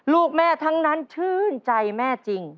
ลูกแม่ทั้งนั้นชื่นใจแม่จริง